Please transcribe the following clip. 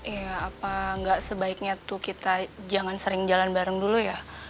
ya apa nggak sebaiknya tuh kita jangan sering jalan bareng dulu ya